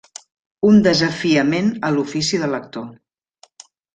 Un desafiament a l’ofici de lector.